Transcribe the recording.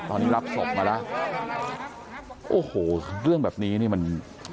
ตอนนี้รับศพมาแล้วโอ้โหเรื่องแบบนี้นี่มัน